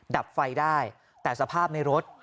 ดับไฟได้แต่สภาพในรถ